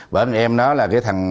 bởi anh em đó là cái thằng